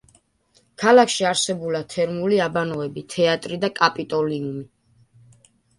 ქალაქში არსებულა თერმული აბანოები, თეატრი და კაპიტოლიუმი.